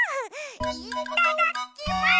いっただきます！